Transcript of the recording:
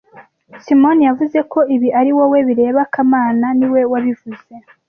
Simoni yavuze ko ibi ari wowe bireba kamana niwe wabivuze